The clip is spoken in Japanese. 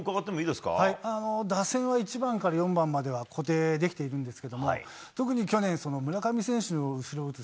打線は１番から４番までは固定できているんですけども特に去年、村上選手の後ろ